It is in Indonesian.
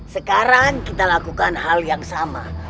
sekarang kita lakukan hal yang sama